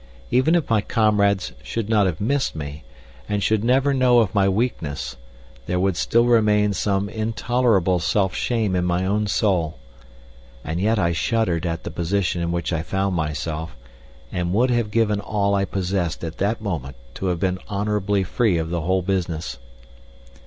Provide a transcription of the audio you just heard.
Even if my comrades should not have missed me, and should never know of my weakness, there would still remain some intolerable self shame in my own soul. And yet I shuddered at the position in which I found myself, and would have given all I possessed at that moment to have been honorably free of the whole business.